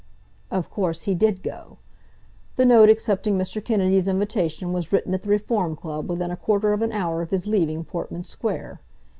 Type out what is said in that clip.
Of course he did go. The note accepting Mr. Kennedy's invitation was written at the Reform Club within a quarter of an hour of his leaving Portman Square.